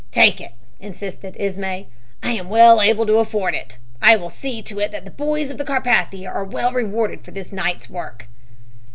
"'Take it,' insisted Ismay. 'I am well able to afford it. I will see to it that the boys of the Carpathia are well rewarded for this night's work.'